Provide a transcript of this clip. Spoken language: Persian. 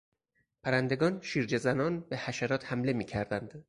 پرندگان شیرجهزنان به حشرات حمله میکردند.